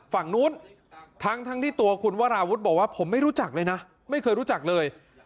ฝั่งนู้นทั้งที่ตัวคุณวราวุฒิบอกว่าผมไม่รู้จักเลยนะไม่เคยรู้จักเลย